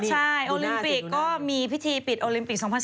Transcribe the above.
ใช่โอลิมปิกก็มีพิธีปิดโอลิมปิก๒๐๑